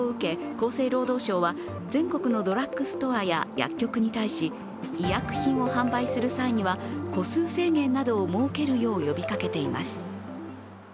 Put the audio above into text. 厚生労働省は全国のドラッグストアや薬局に対し、医薬品を販売する際には個数制限などを設けるよう呼びかけています。